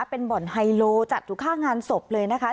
เป็นบ่อนไฮโลจัดอยู่ข้างงานศพเลยนะคะ